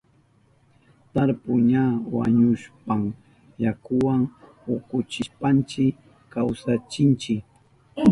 Tarpu ña wañuhushpan yakuwa ukuchishpanchi kawsachinchi.